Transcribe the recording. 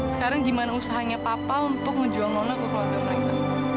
sekarang gimana usahanya papa untuk ngejuang nona ke keluarga mereka